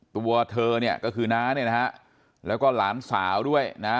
ตัวเธอเนี่ยก็คือน้าเนี่ยนะฮะแล้วก็หลานสาวด้วยนะ